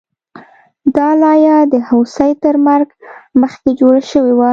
دا لایه د هوسۍ تر مرګ مخکې جوړه شوې وه